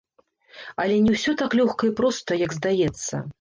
Але не ўсё так лёгка і проста, як здаецца.